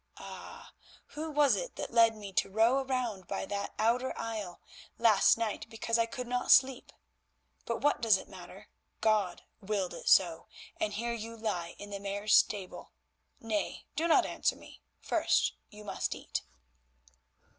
Ah! who was it that led me to row round by that outer isle last night because I could not sleep? But what does it matter; God willed it so, and here you lie in the Mare's stable. Nay, do not answer me, first you must eat."